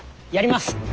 やります！